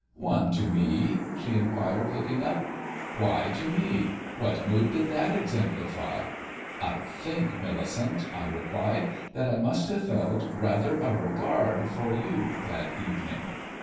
"One to me?" she inquired, looking up. "Why to me? What mood did that exemplify?" "I think, Millicent," I replied, "that I must have felt rather a regard for you that evening."